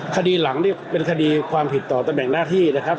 คดีหลังนี่เป็นคดีความผิดต่อตำแหน่งหน้าที่นะครับ